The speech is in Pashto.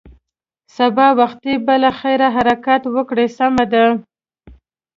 سبا وختي به له خیره حرکت وکړې، سمه ده.